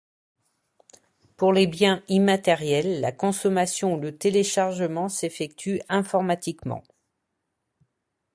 Pour les biens immatériels, la consommation ou le téléchargement s'effectuent informatiquement.